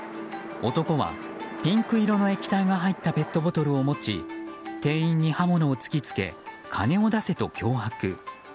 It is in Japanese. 男はピンク色の液体が入ったペットボトルを持ち店員に刃物を突き付け金を出せと脅迫。